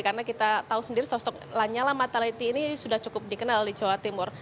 karena kita tahu sendiri sosok lanyala mataliti ini sudah cukup dikenal di jawa timur